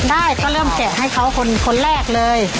ได้ก็เริ่มแกะให้เขาคนแรกเลย